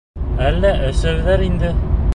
Әллә өсәүҙәр инде?